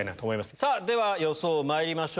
さあ、では予想まいりましょう。